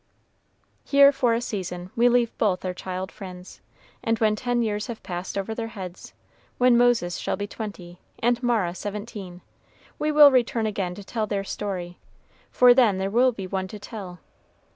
Here for a season we leave both our child friends, and when ten years have passed over their heads, when Moses shall be twenty, and Mara seventeen, we will return again to tell their story, for then there will be one to tell.